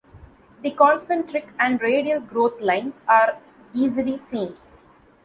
The concentric and radial growth lines are easily seen.